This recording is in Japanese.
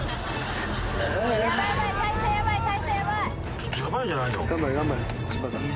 ちょっとヤバいんじゃないの？